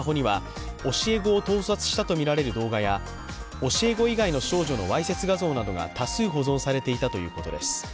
森被告のスマホには教え子を盗撮したとみられる動画や、教え子以外の少女のわいせつ画像などが多数保存されていたということです。